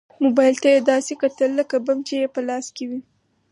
موبايل ته يې داسې کتل لکه بم چې يې په لاس کې وي.